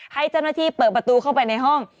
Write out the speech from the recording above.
ให้เจ้าหน้าที่เปิดประตูเข้าไปในห้อง